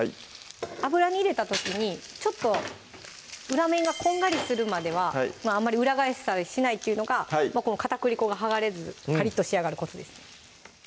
油に入れた時にちょっと裏面がこんがりするまではあんまり裏返したりしないっていうのが片栗粉が剥がれずカリッと仕上がるコツですね